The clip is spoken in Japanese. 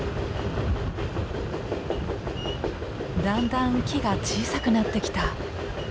だんだん木が小さくなってきた。